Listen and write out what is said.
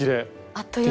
あっという間に。